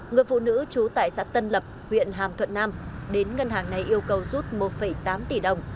người phụ nữ trú tại xã tân lập huyện hàm thuận nam đến ngân hàng này yêu cầu rút một tám tỷ đồng